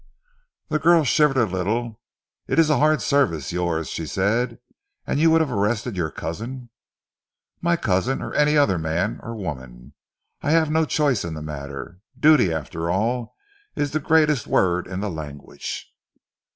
The girl shivered a little. "It is a hard service, yours," she said. "And you would have arrested your cousin?" "My cousin, or any other man or woman. I have no choice in the matter. Duty, after all, is the greatest word in the language."